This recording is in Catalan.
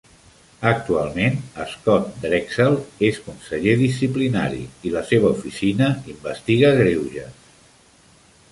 Actualment Scott Drexel és Conseller Disciplinari i la seva oficina investiga greuges.